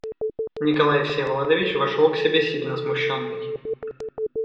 Николай Всеволодович вошел к себе сильно смущенный.